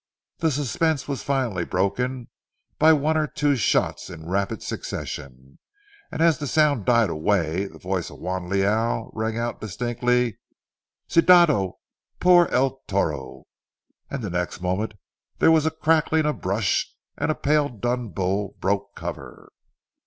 The suspense was finally broken by one or two shots in rapid succession, and as the sound died away, the voice of Juan Leal rang out distinctly: "Cuidado por el toro!" and the next moment there was a cracking of brush and a pale dun bull broke cover.